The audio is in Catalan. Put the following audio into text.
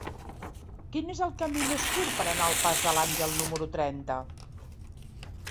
Quin és el camí més curt per anar al pas de l'Àngel número trenta?